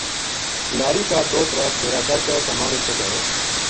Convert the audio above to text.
لاری کا دو ترے پھیرا کر کے سامان اَت پوہچایو